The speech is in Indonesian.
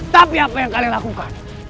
tapi apa yang kalian lakukan